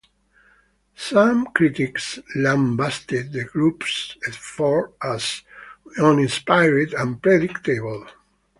Some critics lambasted the group's effort as uninspired, and predictable.